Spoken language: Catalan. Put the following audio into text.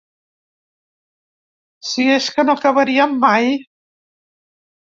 Si és que no acabaríem mai!